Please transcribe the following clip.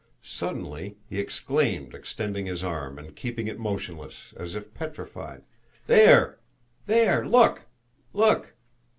Suddenly he exclaimed, extending his arm, and keeping it motionless, as if petrified: "There! there! Look! look!"